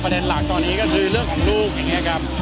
หลักตอนนี้ก็คือเรื่องของลูกอย่างนี้ครับ